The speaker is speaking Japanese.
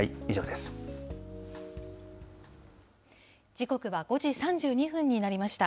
時刻は５時３２分になりました。